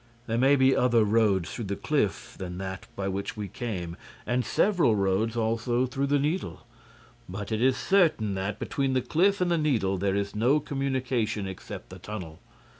There may be other roads through the cliff than that by which we came and several roads also through the Needle. But it is certain that, between the cliff and the Needle, there is no communication except the tunnel.